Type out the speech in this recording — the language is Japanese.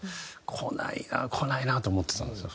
来ないな来ないなと思ってたんですよ。